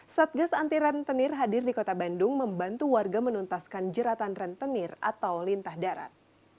satgas anti rentenir hadir di kota bandung membantu warga menuntaskan jeratan rentenir atau lintah darat